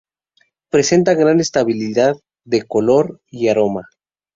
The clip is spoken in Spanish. Presenta gran estabilidad de color y aroma.